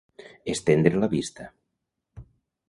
Estendre la vista.